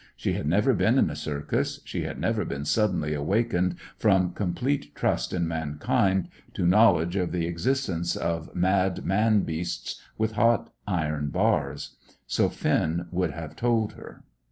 She had never been in a circus. She had never been suddenly awakened from complete trust in mankind to knowledge of the existence of mad man beasts with hot iron bars; so Finn would have told her.